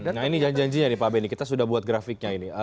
nah ini janjinya nih pak benny kita sudah buat grafiknya ini